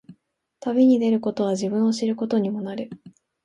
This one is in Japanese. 旅に出ることは、自分を知ることにもなる。